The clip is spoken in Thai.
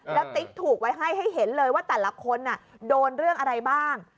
แล้วติ๊กถูกไว้ให้ให้เห็นเลยว่าแต่ละคนโดนเรื่องอะไรบ้าง